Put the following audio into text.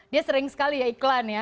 dia sering sekali ya iklan ya